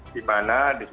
dimana di situ